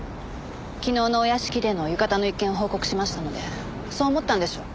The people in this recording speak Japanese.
昨日のお屋敷での浴衣の一件を報告しましたのでそう思ったんでしょう。